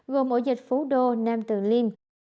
gồm ổ dịch phú đô nam tường liên